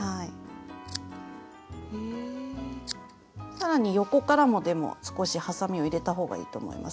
更に横からもでも少しはさみを入れたほうがいいと思います。